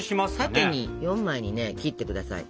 縦に４枚にね切ってください。